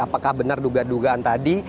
apakah benar dugaan dugaan tadi